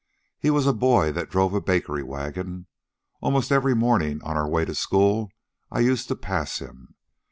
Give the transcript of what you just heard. He was a boy that drove a bakery wagon. Almost every morning, on the way to school, I used to pass him.